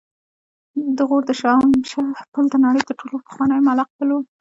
د غور د شاهمشه پل د نړۍ تر ټولو پخوانی معلق پل و